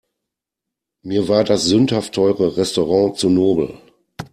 Mir war das sündhaft teure Restaurant zu nobel.